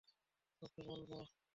ওকে কী বলব?